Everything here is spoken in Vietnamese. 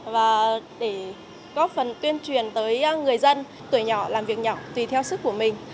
và để góp phần tuyên truyền tới người dân tuổi nhỏ làm việc nhỏ tùy theo sức của mình